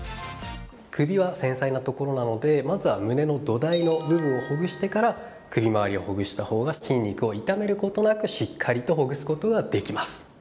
首は繊細なところなので、まずは胸の土台の部分をほぐしてから首回りをほぐした方が筋肉を痛めることなくしっかりとほぐすことができます。